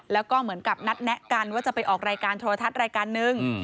แล้วก็เหมือนกับนัดแนะกันว่าจะไปออกรายการโทรทัศน์รายการนึง